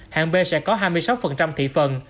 hạng b sẽ có hai mươi sáu thị phần